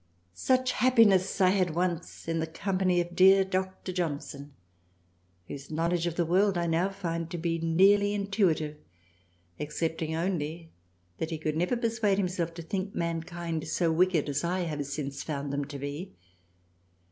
Such happiness had I once in the Company of dear Dr. Johnson whose knowledge of the World I now find to be nearly intuitive, excepting only f that he could never persuade himself to think man kind so wicked as I have since found them to be.